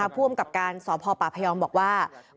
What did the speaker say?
ผู้บังคับการณ์